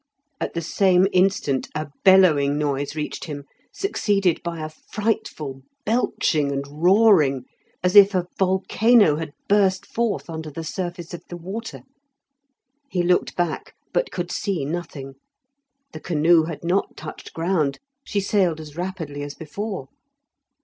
At the same instant a bellowing noise reached him, succeeded by a frightful belching and roaring, as if a volcano had burst forth under the surface of the water; he looked back but could see nothing. The canoe had not touched ground; she sailed as rapidly as before.